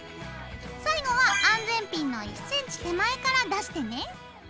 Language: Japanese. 最後は安全ピンの１ｃｍ手前から出してね。